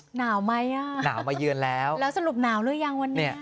หนาวไหมอ่ะแล้วสรุปหนาวหรือยังวันนี้หนาวมายืนแล้ว